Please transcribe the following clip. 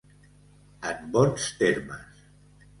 En bons termes.